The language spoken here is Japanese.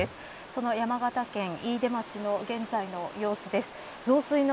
その山形県飯豊町の現在の様子です。